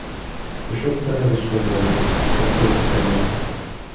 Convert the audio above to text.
Пішов царевич до моря, став кликати матір.